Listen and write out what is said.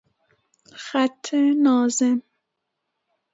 خط ناظم